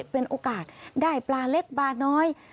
เป็นโอกาสได้ปลาเล็กปลาน้อย